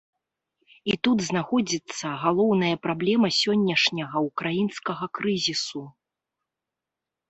І тут знаходзіцца галоўная праблема сённяшняга ўкраінскага крызісу.